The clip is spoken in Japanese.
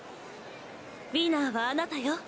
ウィナーはあなたよ！